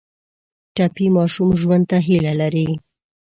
ټپي ماشوم ژوند ته هیله لري.